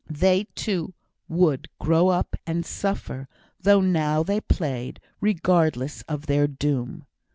They, too, would grow up, and suffer; though now they played, regardless of their doom.